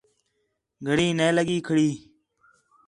گھݨیں نَے لڳی کھڑی